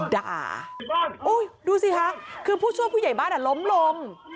ด่าดูสิคะคือผู้ช่วยผู้ใหญ่บ้านอ่ะล้มลง